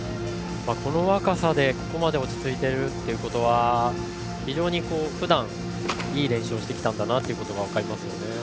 この若さでここまで落ち着いているということは非常にふだん、いい練習をしてきたんだなということが分かりますね。